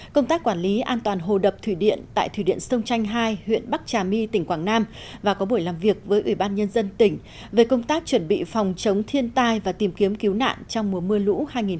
công tác quản lý an toàn hồ đập thủy điện tại thủy điện sông tranh hai huyện bắc trà my tỉnh quảng nam và có buổi làm việc với ủy ban nhân dân tỉnh về công tác chuẩn bị phòng chống thiên tai và tìm kiếm cứu nạn trong mùa mưa lũ hai nghìn một mươi chín